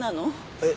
えっ？